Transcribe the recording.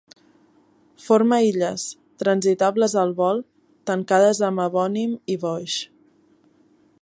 Forma illes, transitables al volt, tancades amb evònim i boix.